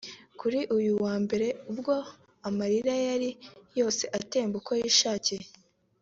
kuri uyu wa Mbere bwo amarira yari yose atemba uko yishakiye